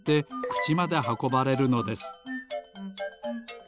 くちまではこばれるのです。